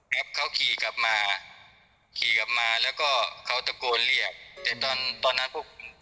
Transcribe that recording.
เร็วมากครับ